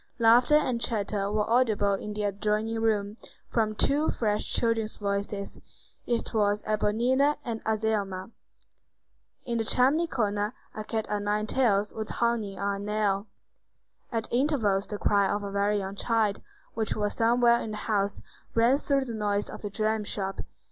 Laughter and chatter were audible in the adjoining room, from two fresh children's voices: it was Éponine and Azelma. In the chimney corner a cat o' nine tails was hanging on a nail. At intervals the cry of a very young child, which was somewhere in the house, rang through the noise of the dram shop.